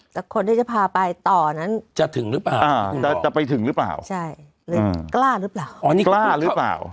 แต่คนที่จะพาไปต่อนั้นจะถึงรึเปล่าจะไปถึงรึเปล่าใช่กล้ารึเปล่า